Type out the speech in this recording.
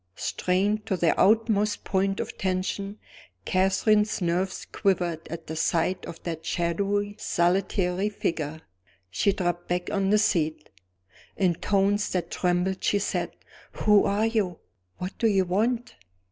Strained to their utmost point of tension, Catherine's nerves quivered at the sight of that shadowy solitary figure. She dropped back on the seat. In tones that trembled she said: "Who are you? What do you want?"